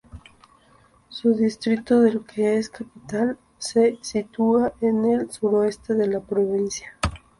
Su distrito, del que es capital, se sitúa en el suroeste de la provincia.